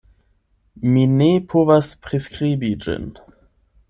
Mi ne povas priskribi ĝin.